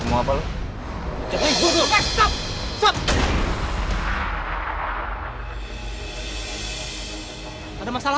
semua data anda sudah ada sama saya